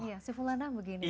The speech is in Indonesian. iya sifulan lah begini